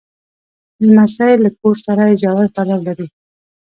لمسی له کور سره ژور تړاو لري.